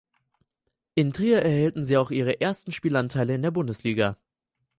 In Trier erhielt sie auch ihre ersten Spielanteile in der Bundesliga.